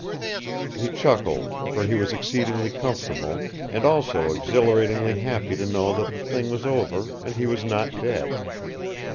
He chuckled, for he was exceedingly comfortable, and also exhilaratingly happy to know that the thing was over and he was not dead.